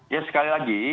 ya sekali lagi